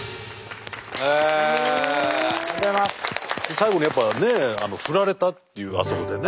最後にやっぱね振られたっていうあそこでね。